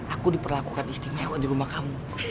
aku diperlakukan istimewa di rumah kamu